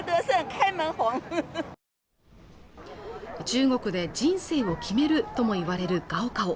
中国で人生を決めるともいわれる高考